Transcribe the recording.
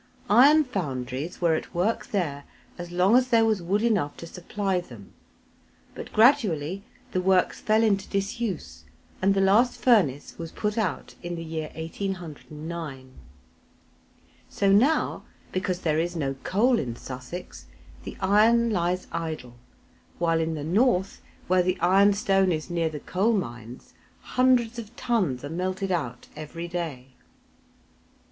Iron foundries were at work there as long as there was wood enough to supply them, but gradually the works fell into disuse, and the last furnace was put out in the year 1809. So now, because there is no coal in Sussex, the iron lies idle, while in the North, where the iron stone is near the coal mines, hundreds of tons are melted out every day.